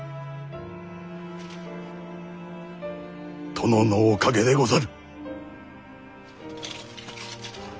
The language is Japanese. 殿のおかげでござる。